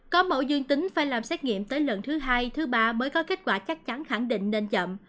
có mẫu dương tính phải làm xét nghiệm tới lần thứ hai thứ ba mới có kết quả chắc chắn khẳng định nên chậm